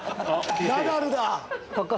ナダルだ！